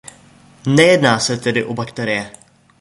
Nejedná se tedy o bakterie.